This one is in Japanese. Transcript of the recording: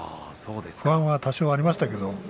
不安は多少ありましたけど